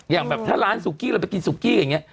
อย่างแบบถ้าร้านสุกี้เราไปกินซุกี้อย่างนี้